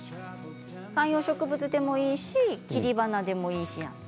観葉植物でもいいし切り花でもいいし。